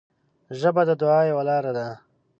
ژبه د دعا یوه لاره ده